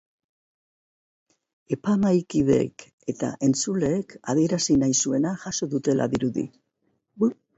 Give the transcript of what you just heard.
Epaimahai-kideek eta entzuleek adierazi nahi zuena jaso dutela dirudi.